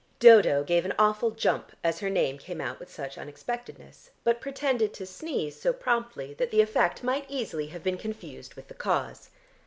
Dodo gave an awful jump as her name came out with such unexpectedness, but pretended to sneeze so promptly that the effect might easily have been confused with the cause.